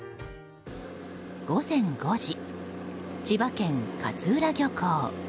午前５時、千葉県勝浦漁港。